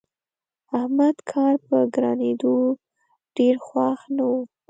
احمد کار په ګرانېدو ډېر خوښ نه وو.